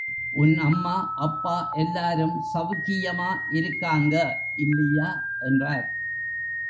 உன் அம்மா, அப்பா எல்லாரும் சவுக்கியமா இருக்காங்க இல்லியா? என்றார்.